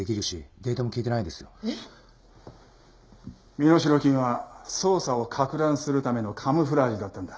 身代金は捜査を攪乱するためのカムフラージュだったんだ。